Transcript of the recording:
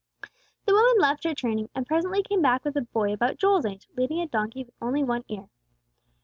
The woman left her churning, and presently came back with a boy about Joel's age, leading a donkey with only one ear.